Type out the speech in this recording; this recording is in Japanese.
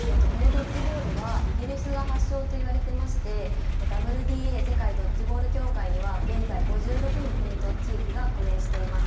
このドッジボールはイギリスが発祥といわれてまして、ＷＢＡ・世界ドッジボール協会には現在５６の国と地域が加盟しています。